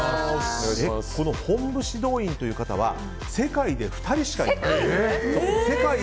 本部指導員という方は世界で２人しかいないと。